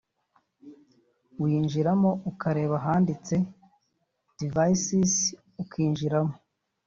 uyinjiramo ukareba ahanditse ’Devices’ ukinjiramo